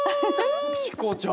チコちゃん。